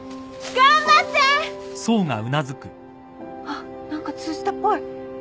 あっ何か通じたっぽい！